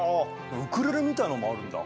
ウクレレみたいのもあるんだ？